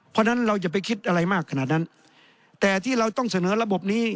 เพราะฉะนั้นเราอย่าไปคิดอะไรมากขนาดนั้นแต่ที่เราต้องเสนอระบบนี้